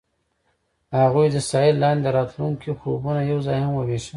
هغوی د ساحل لاندې د راتلونکي خوبونه یوځای هم وویشل.